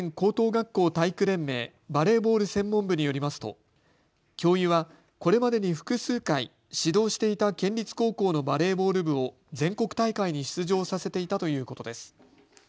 学校体育連盟バレーボール専門部によりますと教諭はこれまでに複数回指導していた県立高校のバレーボール部を全国大会に出場させていたということです。